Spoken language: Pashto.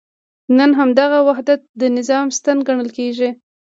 نن همدغه وحدت د نظام ستن ګڼل کېږي.